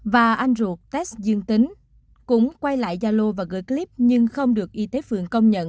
và anh ruột test dương tính cũng quay lại gia lô và gửi clip nhưng không được y tế phường công nhận